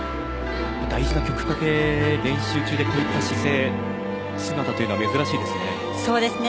大事な曲かけ練習中でこういった姿勢姿というのは珍しいですね。